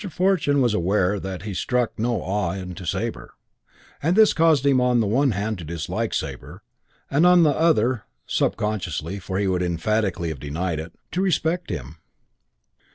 Fortune was aware that he struck no awe into Sabre, and this caused him on the one hand to dislike Sabre, and on the other (subconsciously, for he would emphatically have denied it) to respect him.